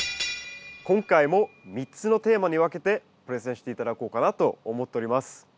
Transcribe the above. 今回も３つのテーマに分けてプレゼンして頂こうかなと思っております。